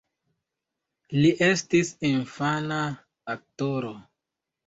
Li estis infana aktoro.